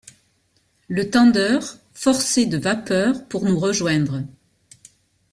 Le tender forçait de vapeur pour nous rejoindre.